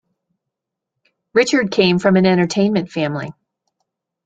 Richard came from an entertainment family.